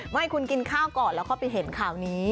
ไม่คุณกินข้าวก่อนแล้วก็ไปเห็นข่าวนี้